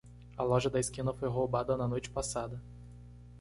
A loja da esquina foi roubada na noite passada.